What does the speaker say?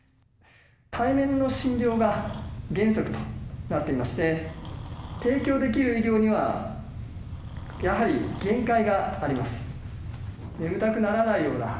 対面の診療が原則となっていまして提供できる医療にはやはり、限界があります。